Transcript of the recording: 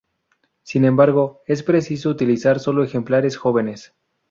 Sin embargo, es preciso utilizar sólo ejemplares jóvenes.